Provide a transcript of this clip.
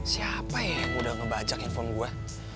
siapa ya yang udah ngebajak handphone gue